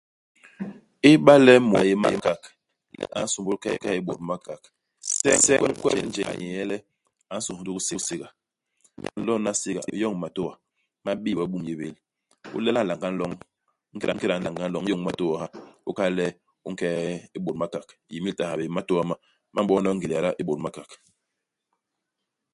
Iba le mut a yé i Makak, le a nsômbôl ke i Bôt-Makak, semkwep njel a yé nye le, a nsôs ndugi i Séga. Ingéda u nlo hana i Séga, u yoñ matôa ma bii we i Boumnyébél. U lela nlanga u nloñ. Ingéda u nlela nlanga u nloñ, u n'yoñ matôa, u kal le u nke i Bôt-Makak. Yimil i ta ha bé. Imatôa ma, ma m'bolna we ngélé yada i Bôt-Makak.